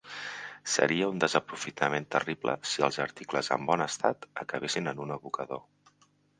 Seria un desaprofitament terrible si els articles en bon estat acabessin en un abocador.